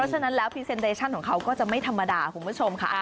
ฉะนั้นแล้วพรีเซนเดชั่นของเขาก็จะไม่ธรรมดาคุณผู้ชมค่ะ